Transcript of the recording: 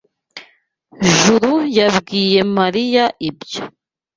Juru yabwiye Mariya ibyo.